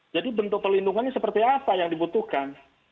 jadi bentuk perlindungannya seperti apa yang dibutuhkan